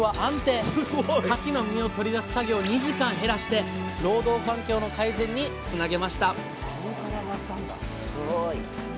かきの身を取り出す作業を２時間減らして労働環境の改善につなげました